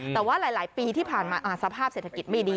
แต่ว่าหลายปีที่ผ่านมาสภาพเศรษฐกิจไม่ดี